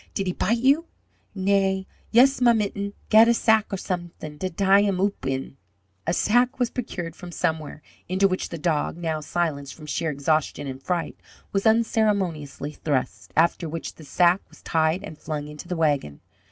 "Did he bite you?" "Na, yust ma mitten. Gat a sack or someding da die him oop in." A sack was procured from somewhere, into which the dog, now silenced from sheer exhaustion and fright, was unceremoniously thrust, after which the sack was tied and flung into the wagon.